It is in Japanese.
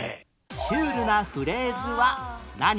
シュールなフレーズは何？